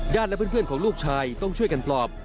และเพื่อนของลูกชายต้องช่วยกันปลอบ